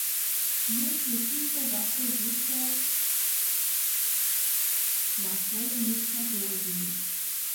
My smy wšitko zaso wróćo na swoje městno połožili.